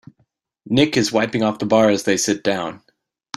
Nick is wiping off the bar as they sit down.